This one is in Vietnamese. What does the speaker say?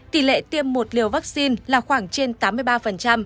tỷ lệ tiêm một liều vaccine là khoảng trên tám mươi ba